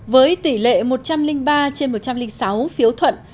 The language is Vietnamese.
với tỷ lệ một trăm linh ba trên một trăm linh sáu phiếu thuận